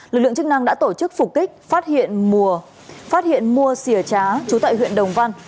lực lượng chức năng đã tổ chức phục kích phát hiện mùa xìa trá trú tại huyện đồng văn